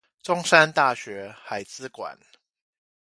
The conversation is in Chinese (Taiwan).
中山大學海資館